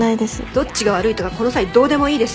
どっちが悪いとかこの際どうでもいいです。